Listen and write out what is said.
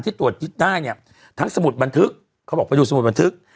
ตรวจยึดได้เนี่ยทั้งสมุดบันทึกเขาบอกไปดูสมุดบันทึก